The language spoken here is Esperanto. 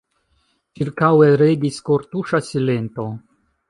Ĉirkaŭe regis kortuŝa silento.